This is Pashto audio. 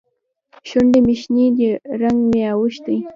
شونډې مې شنې دي؛ رنګ مې اوښتی.